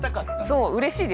そううれしいです。